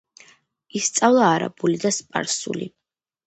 ისწავლა არაბული და სპარსული.